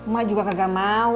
mbak juga kagak mau